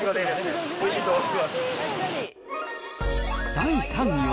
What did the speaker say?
第３位は。